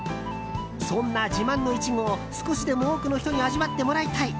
そんな自慢のイチゴを少しでも多くの人に味わってもらいたい。